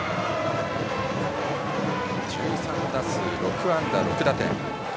１３打数６安打６打点。